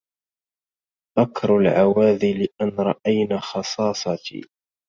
بكر العواذل أن رأين خصاصتي